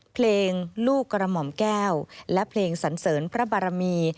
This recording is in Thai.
เพลงลูกกระหม่อมแก้วและเพลงสันเสริญพระบารมี